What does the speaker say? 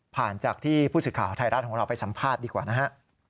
ผ่านจากที่ผู้สึกข่าวไทยรัฐของเราไปสัมภาษณ์ดีกว่า